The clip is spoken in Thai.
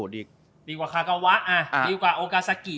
ดีกว่าคากาวะดีกว่าโอกาซากิ